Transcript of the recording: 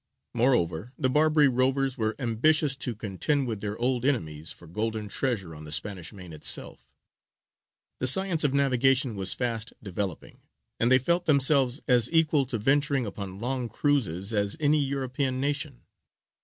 Moreover, the Barbary rovers were ambitious to contend with their old enemies for golden treasure on the Spanish main itself; the science of navigation was fast developing; and they felt themselves as equal to venturing upon long cruises as any European nation.